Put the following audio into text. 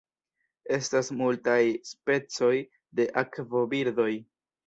Estas multaj specoj de akvobirdoj.